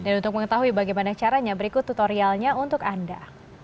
dan untuk mengetahui bagaimana caranya berikut tutorialnya untuk anda